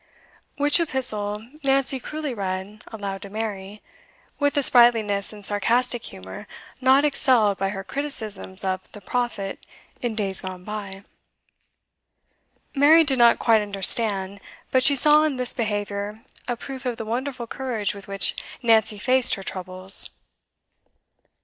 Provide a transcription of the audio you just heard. Which epistle Nancy cruelly read aloud to Mary, with a sprightliness and sarcastic humour not excelled by her criticisms of 'the Prophet' in days gone by. Mary did not quite understand, but she saw in this behaviour a proof of the wonderful courage with which Nancy faced her troubles.